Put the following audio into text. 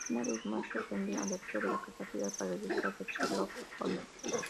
Una vez más, sorprende al lector la capacidad para el disfraz de Sherlock Holmes.